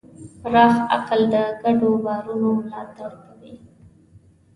پراخ عقل د ګډو باورونو ملاتړ کوي.